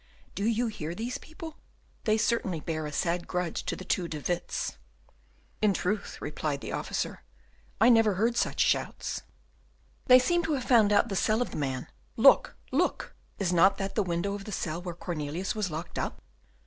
Do you hear these people? They certainly bear a sad grudge to the two De Witts." "In truth," replied the officer, "I never heard such shouts." "They seem to have found out the cell of the man. Look, look! is not that the window of the cell where Cornelius was locked up?"